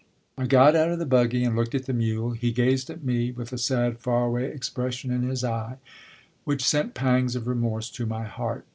I got out of the buggy and looked at the mule; he gazed at me with a sad far away expression in his eye, which sent pangs of remorse to my heart.